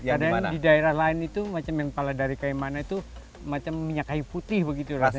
karena di daerah lain itu macam yang pala dari kayak mana itu macam minyak kayu putih begitu rasanya